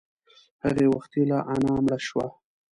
هغه وختي لا انا مړه شوه.